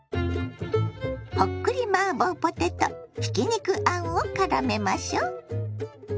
ほっくりマーボーポテトひき肉あんをからめましょ。